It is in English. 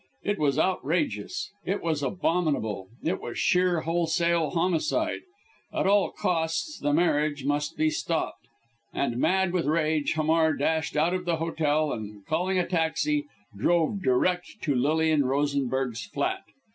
It was outrageous! It was abominable! It was sheer wholesale homicide! At all costs the marriage must be stopped. And mad with rage, Hamar dashed out of the hotel, and calling a taxi, drove direct to Lilian Rosenberg's flat.